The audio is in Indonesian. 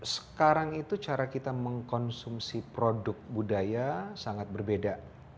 sekarang itu cara kita mengkonsumsi produk budaya sangat berbeda